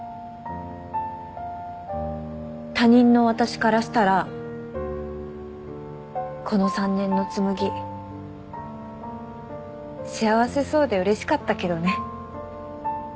他人の私からしたらこの３年の紬幸せそうでうれしかったけどね。